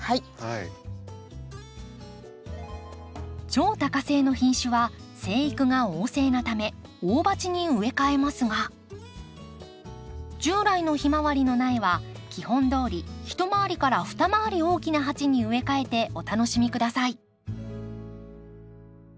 超多花性の品種は生育が旺盛なため大鉢に植え替えますが従来のヒマワリの苗は基本どおり一回りから二回り大きな鉢に植え替えてお楽しみ下さい。